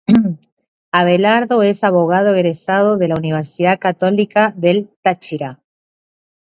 Abelardo es abogado egresado de la Universidad Católica del Táchira.